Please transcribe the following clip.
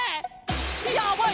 やばい！